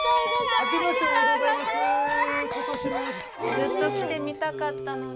ずっと来てみたかったので。